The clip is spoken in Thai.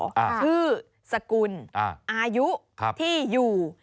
ชื่อสกุลอ่าอายุที่อยู่